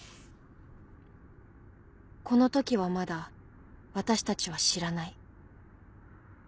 この時はまだ私たちは知らない